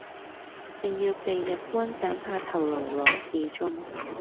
正要被日軍砍下頭顱來示衆，